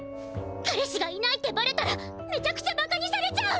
彼氏がいないってバレたらめちゃくちゃバカにされちゃう！